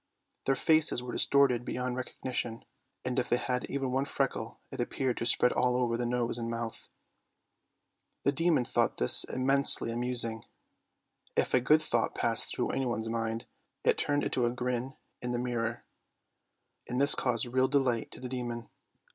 Their faces were distorted beyond recognition, and if they had even one freckle it appeared to spread all over the nose and mouth. The demon thought this immensely amusing. If a good thought passed through anyone's mind, it turned to a grin in the mirror, and this caused real delight to the demon.